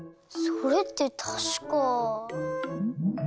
それってたしか。